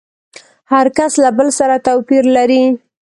هر کس له بل سره توپير لري.